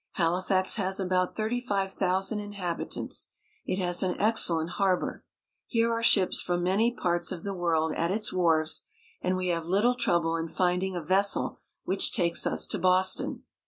Halifax has about thirty five thousand inhabitants. It has an excellent harbor. Here are ships from many parts of the world at its wharves, and we have little trouble in finding a vessel which takes us to Boston.